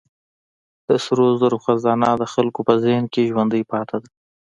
د سرو زرو خزانه د خلکو په ذهن کې ژوندۍ پاتې ده.